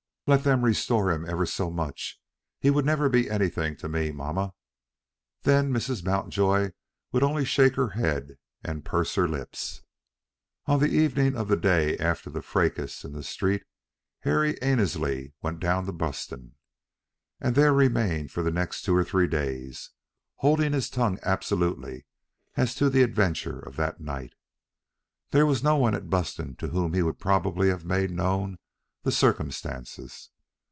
"Let them restore him ever so much, he would never be anything to me, mamma." Then Mrs. Mountjoy would only shake her head and purse her lips. On the evening of the day after the fracas in the street Harry Annesley went down to Buston, and there remained for the next two or three days, holding his tongue absolutely as to the adventure of that night. There was no one at Buston to whom he would probably have made known the circumstances.